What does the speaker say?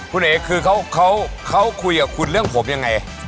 คุณเอ๋คือเขาคุยกับคุณเรื่องผมยังไง